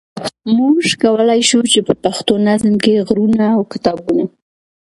موږ کولای شو چې په پښتو نظم کې غرونه او کتابونه.